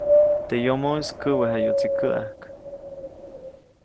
Teʼ yomoʼis käʼwejayuʼtsi käʼäjk.